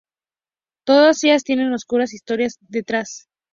Todas ellas tienen oscuras historias detrás.